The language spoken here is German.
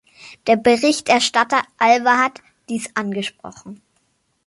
Der Berichterstatter Alvahat dies angesprochen.